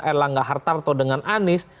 erlangga hartarto dengan anies